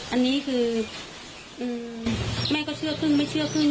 อันนี้คือแม่ก็เชื่อครึ่งไม่เชื่อครึ่ง